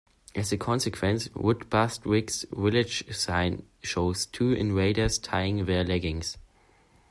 As a consequence, Woodbastwick's village sign shows two invaders tying their leggings.